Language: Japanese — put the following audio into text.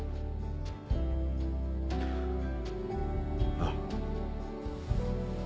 ああ。